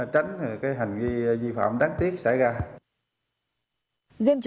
tránh hành vi vi phạm đáng tiếc